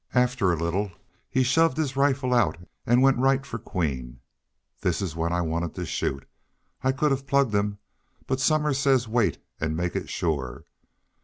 After a little he shoved his rifle out an' went right fer Queen. This is when I wanted to shoot. I could have plugged him. But Somers says wait an' make it sure.